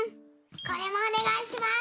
これもお願いします。